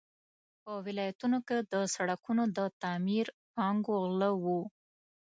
په ولایتونو کې د سړکونو د تعمیر پانګو غله وو.